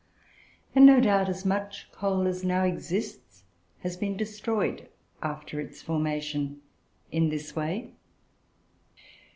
And, no doubt, as much coal as now exists has been destroyed, after its formation, in this way.